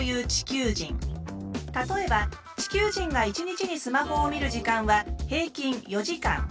例えば地球人が１日にスマホを見る時間は平均４時間。